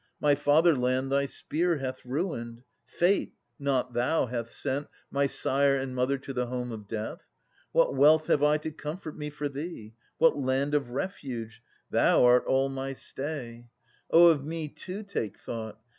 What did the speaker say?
My fatherland Thy spear hath ruined. Fate — not thou — hath sent My sire and mother to the home of death. What wealth have I to comfort me for thee ? What land of refuge ? Thou art all my stay. Oh, of me too take thought